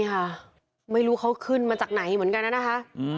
ค่ะไม่รู้เขาขึ้นมาจากไหนเหมือนกันนะนะคะ